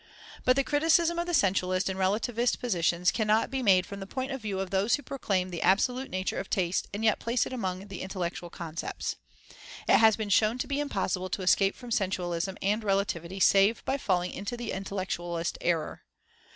But the criticism of the sensualist and relativist positions cannot be made from the point of view of those who proclaim the absolute nature of taste and yet place it among the intellectual concepts. It has been shown to be impossible to escape from sensualism and relativity save by falling into the intellectualist error.